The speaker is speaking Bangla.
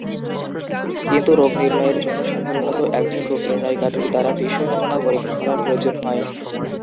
কিন্তু, রোগনির্ণয়ের জন্য সাধারণত একজন রোগনির্ণয়কারীর দ্বারা টিস্যু নমুনা পরীক্ষা করার প্রয়োজন হয়।